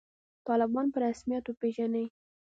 طالبان په رسمیت وپېژنئ